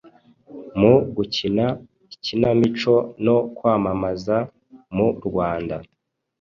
mu gukina ikinamico no kwamamaza mu Rwanda.